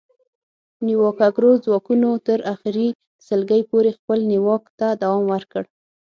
نیواکګرو ځواکونو تر اخري سلګۍ پورې خپل نیواک ته دوام ورکړ